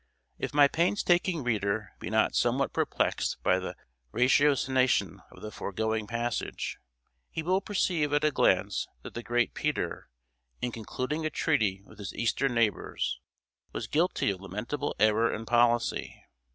If my painstaking reader be not somewhat perplexed by the ratiocination of the foregoing passage, he will perceive at a glance that the great Peter, in concluding a treaty with his eastern neighbors, was guilty of lamentable error in policy.